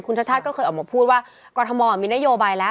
ชาติก็เคยออกมาพูดว่ากรทมมีนโยบายแล้ว